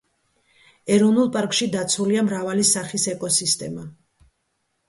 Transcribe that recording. ეროვნულ პარკში დაცულია მრავალი სახის ეკოსისტემა.